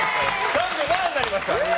３７になりました。